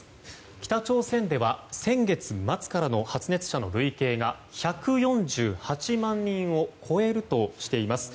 北朝鮮では先月末からの発熱者の累計が１４８万人を超えるとしています。